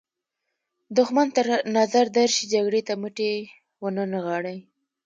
دښمن تر نظر درشي جګړې ته مټې ونه نغاړئ.